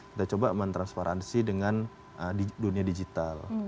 kita coba mentransparansi dengan di dunia digital